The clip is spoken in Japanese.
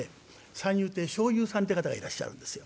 三遊亭笑遊さんって方がいらっしゃるんですよ。